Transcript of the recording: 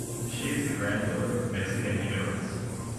She is the granddaughter of Mexican immigrants.